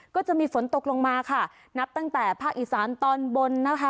ก็จะมีฝนตกลงมาค่ะนับตั้งแต่ภาคอีสานตอนบนนะคะ